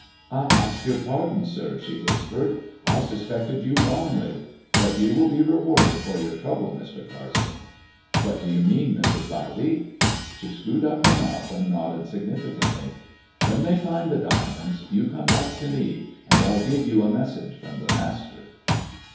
" I ask your pardon, sir," she whispered. " I suspected you wrongly ; but you will be rewarded for your trouble, Mr. Carson." " What do you mean, Mrs. Lowdy ]" She screwed up her mouth and nodded significantly. " When they find the diamonds, you come back to me, and 111 gi^e you a message from the master."